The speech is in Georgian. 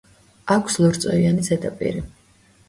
აქვს ლორწოიანი ზედაპირი.